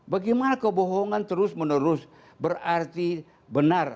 bagaimana kebohongan terus menerus berarti benar